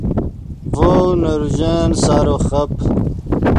ڤؤ نے روژن سارو خب